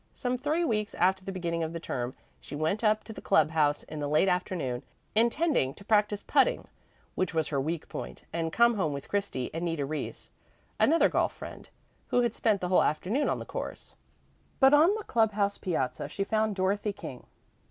Some three weeks after the beginning of the term she went up to the club house in the late afternoon, intending to practice putting, which was her weak point and come home with Christy and Nita Reese, another golf fiend, who had spent the whole afternoon on the course. But on the club house piazza she found Dorothy King.